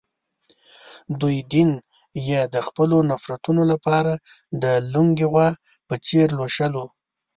دوی دین یې د خپلو نفرتونو لپاره د لُنګې غوا په څېر لوشلو.